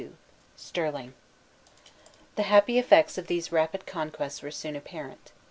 Stirling. The happy effects of these rapid conquests were soon apparent.